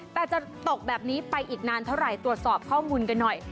แต่จะตกแบบนี้ไปอีกนานเท่าไหร่ตรวจสอบข้อมูลกันหน่อย